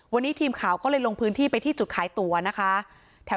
วันนี้ทีมข่าวก็เลยลงพื้นที่ไปที่จุดขายตั๋วนะคะ